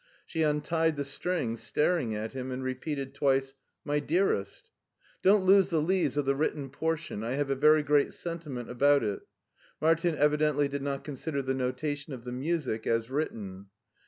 She untied the string, staring at him, and repeated twice :" My dearest." "Don't lose the leaves of the written portion; I have a very great sentiment about it." Martin evi dently did not consider the notation of the music as written.